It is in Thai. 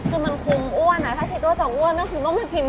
คือมันคุ้มอ้วนอะถ้าคิดว่าจะอ้วนคือต้องมากินที่นี่